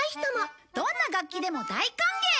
どんな楽器でも大歓迎！